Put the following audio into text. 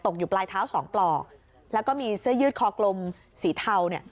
อยู่ปลายเท้าสองปลอกแล้วก็มีเสื้อยืดคอกลมสีเทาเนี่ย